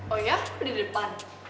oh iya di depan